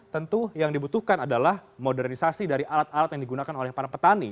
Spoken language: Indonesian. tentu yang dibutuhkan adalah modernisasi dari alat alat yang digunakan oleh para petani